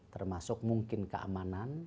termasuk mungkin keamanan